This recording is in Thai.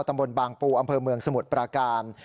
ตำบลบางปูอำเภอเมืองสมุทรปราการ